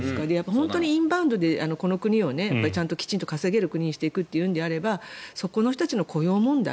本当にインバウンドでこの国をきちんと稼げる国にしていくのであればそこの人たちの雇用問題